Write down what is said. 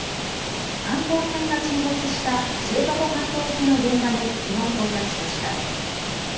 観光船が沈没した知床半島沖の現場にきのう到着しました。